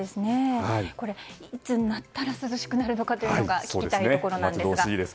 これ、いつになったら涼しくなるのかが聞きたいところですが。